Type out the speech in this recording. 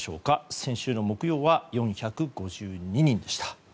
先週木曜は４５２人でした。